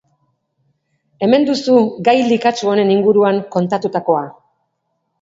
Hemen duzu gai likatsu honen inguruan kontatutakoa!